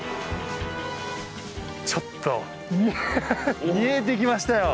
ちょっと見えてきましたよ。